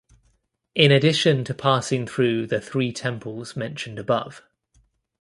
In addition to passing through the three temples mentioned above.